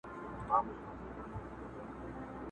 چي په ژوند یې ارمان وخېژي نو مړه سي!!